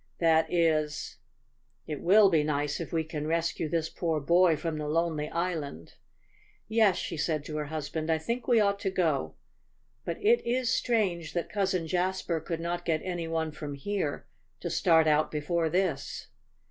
That is it will be nice if we can rescue this poor boy from the lonely island. Yes," she said to her husband, "I think we ought to go. But it is strange that Cousin Jasper could not get any one from here to start out before this."